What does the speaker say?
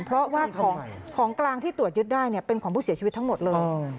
เพราะว่าของกลางที่ตรวจยึดได้เป็นของผู้เสียชีวิตทั้งหมดเลย